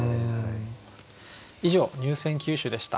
以上入選九首でした。